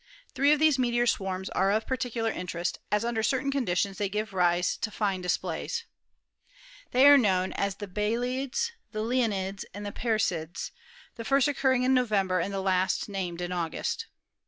Three of these meteor swarms are of particular interest, as under certain conditions they give rise to fine displays. These are known as the Bielids, the Leonids, and the Perseids, the first two occurring in November and the last named in August.